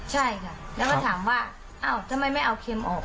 ใช่ค่ะแล้วก็ถามว่าอ้าวทำไมไม่เอาเค็มออก